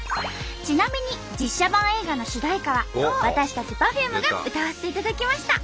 ちなみに実写版映画の主題歌は私たちＰｅｒｆｕｍｅが歌わせていただきました。